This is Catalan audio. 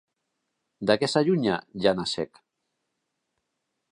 De què s'allunya Janácek?